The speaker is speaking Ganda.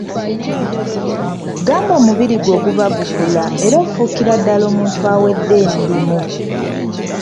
Gamba omubiri gwo guba gukula era ng'ofuukira ddala omuntu omukulu awedde emirimu.